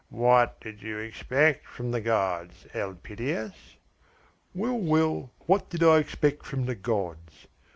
What did you expect from the gods, Elpidias?" "Well, well, what did I expect from the gods!